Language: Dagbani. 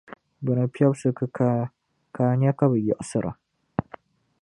Bɛ ni piɛbsi kikaa, ka a nya ka bɛ yiɣisira.